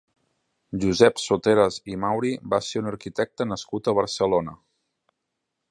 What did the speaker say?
Josep Soteras i Mauri va ser un arquitecte nascut a Barcelona.